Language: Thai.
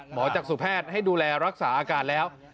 หมอจักษุแพทย์ให้ดูแลรักษาอาการแล้ว